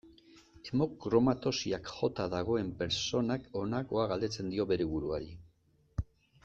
Hemokromatosiak jota dagoen pertsonak honakoa galdetzen dio bere buruari.